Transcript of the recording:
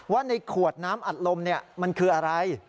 ว่าในขวดน้ำอัดลมมันคืออะไร